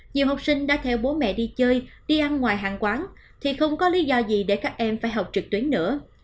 nhiều học sinh đã theo bố mẹ đi chơi đi ăn ngoài hàng quán thì không có lý do gì để các em phải học trực tuyến nữa